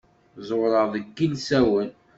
Ẓewreɣ deg yilsawen.